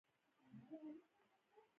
نجلۍ د مهربانۍ سمبول ده.